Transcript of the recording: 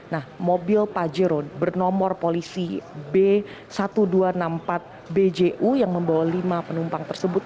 nah mobil pajero bernomor polisi b seribu dua ratus enam puluh empat bju yang membawa lima penumpang tersebut